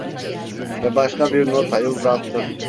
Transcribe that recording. Ve başka bir notayı uzattı.